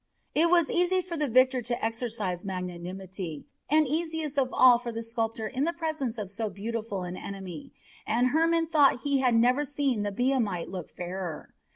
It was easy for the victor to exercise magnanimity, and easiest of all for the sculptor in the presence of so beautiful an enemy, and Hermon thought he had never seen the Biamite look fairer.